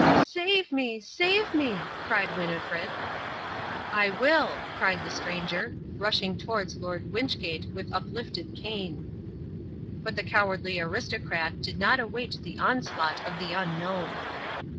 "Save me! save me!" cried Winnifred. "I will," cried the Stranger, rushing towards Lord Wynchgate with uplifted cane. But the cowardly Aristocrat did not await the onslaught of the unknown.